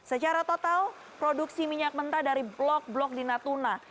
secara total produksi minyak mentah dari blok blok di natuna